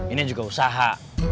ini juga usaha